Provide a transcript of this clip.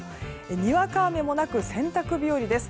にわか雨もなく洗濯日和です。